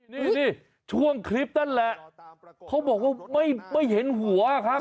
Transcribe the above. นี่ช่วงคลิปนั่นแหละเขาบอกว่าไม่เห็นหัวครับ